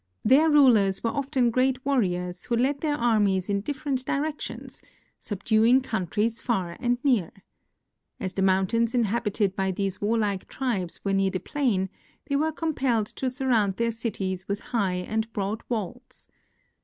Their rulers were often great warriors, who led their armies in different directions, sub duing countries fiir and near. As the mountains inhabited by these warlike tribes were near the plain, they were compelled to surround their cities with high and broad walls.